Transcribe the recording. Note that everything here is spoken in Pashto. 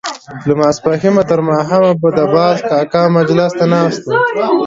له ماسپښينه تر ماښامه به د باز کاکا مجلس ته ناست وو.